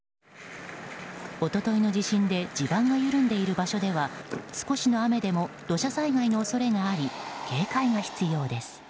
一昨日の地震で地盤が緩んでいる場所では少しの雨でも土砂災害の恐れがあり警戒が必要です。